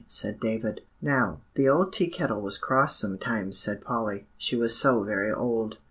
said David. "Now, the old Tea Kettle was cross sometimes," said Polly; "she was so very old."